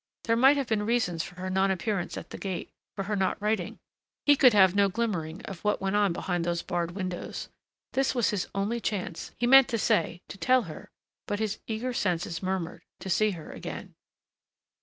There might have been reasons for her non appearance at the gate, for her not writing.... He could have no glimmering of what went on behind those barred windows. This was his only chance he meant to say, to tell her but his eager senses murmured, to see her again.